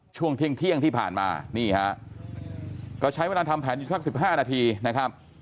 ช่วงเที่ยงที่ผ่านมานี่ฮะก็ใช้เวลาทำแผนอยู่สัก๑๕นาทีนะครับ